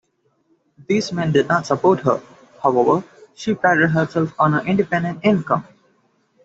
These men did not support her, however; she prided herself on her independent income.